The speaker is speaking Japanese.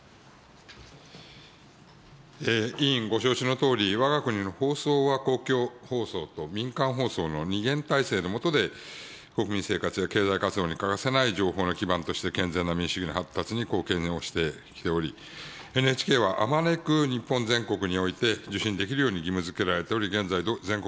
委員ご承知のとおり、わが国の放送は公共放送と民間放送の二元体制の下で、国民生活や経済活動に欠かせない情報の基盤として、健全な民主主義の発達に貢献をしてきており、ＮＨＫはあまねく日本全国において受信できるように義務づけられており、現在、全国